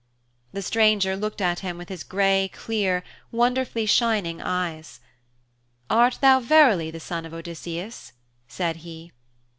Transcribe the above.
The stranger looked at him with his grey, clear, wonderfully shining eyes. 'Art thou verily the son of Odysseus?' said he.